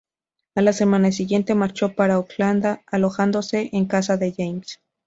A la semana siguiente marchó para Oakland, alojándose en casa de James.